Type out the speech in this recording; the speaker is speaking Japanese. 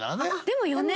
でも４年？